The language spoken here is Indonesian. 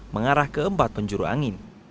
mengarah ke empat penjuru angin